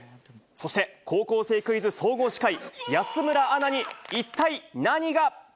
そして、高校生クイズ総合司会、安村アナに一体何が？